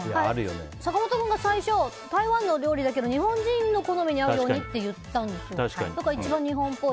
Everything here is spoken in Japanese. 坂本君が最初台湾のお料理だけど日本人の好みに合うようにって言ったんですよね。